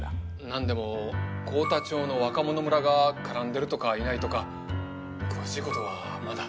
なんでも幸田町の若者村が絡んでるとかいないとか詳しいことはまだ。